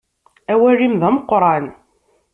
Awal-im d ameqqran.